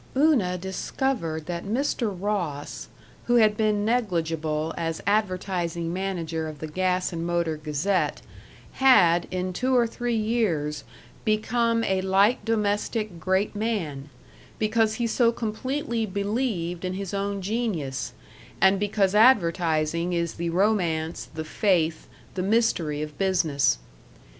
§ 4 Una discovered that Mr. Ross, who had been negligible as advertising manager of the Gas and Motor Gazette, had, in two or three years, become a light domestic great man, because he so completely believed in his own genius, and because advertising is the romance, the faith, the mystery of business.